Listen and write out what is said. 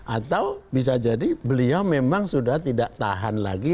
atau bisa jadi beliau memang sudah tidak tahan lagi